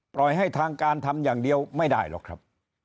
ปล่อยให้ทางการทำอย่างเดียวไม่ได้หรอกครับ